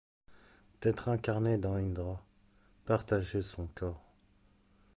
T’être incarné dans Indra, partager son corps…